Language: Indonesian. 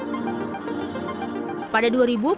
pada dua ribu pemerintah dki sempat melakukan pemotongan rumah ini